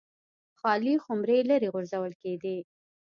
خالي خُمرې لرې غورځول کېدې